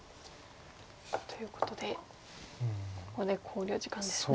ということでここで考慮時間ですね。